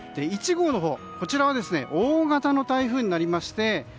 １号のほうこちらは大型の台風になりまして